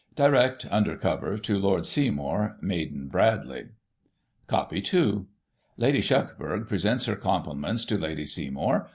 Direct, under cover, to Lord Seymour, Maiden Bradley." (Copy 2.) "Lady Shuckburgh presents her compliments to Lady Seymour.